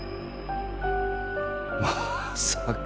まさか。